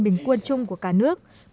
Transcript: bình quân chung của tỉnh lao cai